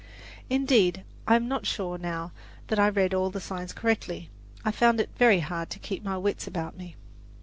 Indeed, I am not sure now that I read all the signs correctly. I found it very hard to keep my wits about me.